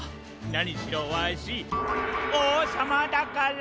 なにしろわしおうさまだから！